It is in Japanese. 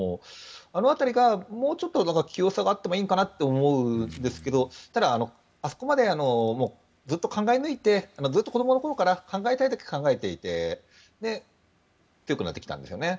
あの辺りがもうちょっと器用さがあってもいいんじゃないかと思いますがただ、あそこまでずっと考え抜いてずっと子どもの頃から考えたいだけ考えていて強くなってきたんですよね。